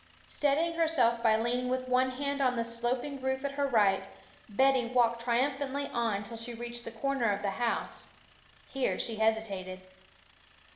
Steadying herself by leaning with one hand on the sloping roof at her right, Betty walked triumphantly on till she reached the corner of the house; here she hesitated.